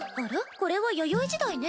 これは弥生時代ね。